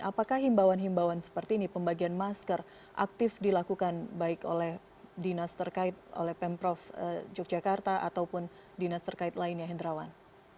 apakah himbauan himbauan seperti ini pembagian masker aktif dilakukan baik oleh dinas terkait oleh pemprov yogyakarta ataupun dinas terkait lainnya hendrawan